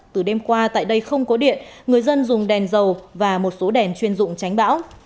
từ đêm qua tại đây không có điện người dân dùng đèn dầu và một số đèn chuyên dụng tránh bão